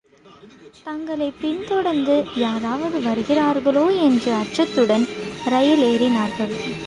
தங்களைப் பின் தொடர்ந்து யாராவது வருகிறார்களோ என்ற அச்சத்துடன் ரயில் ஏறினார்கள்.